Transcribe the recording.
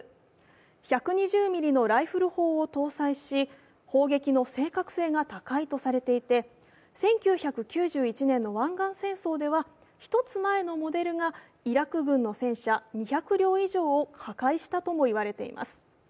１２０ミリのライフル砲を搭載し、砲撃の正確性が高いとされていて１９９１年の湾岸戦争では１つ前のモデルがイラク軍の戦車２００両以上を破壊したともいわれています。